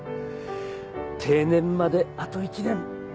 定年まであと１年。